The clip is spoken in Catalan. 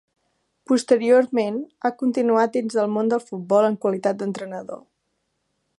Posteriorment, ha continuat dins del món del futbol en qualitat d'entrenador.